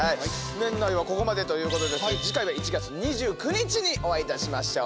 年内はここまでということですけど次回は１月２９日にお会いいたしましょう。